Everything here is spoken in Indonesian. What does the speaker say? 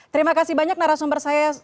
terima kasih banyak narasumber saya